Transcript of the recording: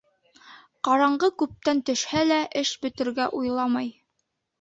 Ҡараңғы күптән төшһә лә, эш бөтөргә уйламай.